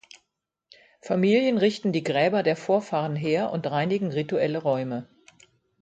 Familien richten die Gräber der Vorfahren her und reinigen rituelle Räume.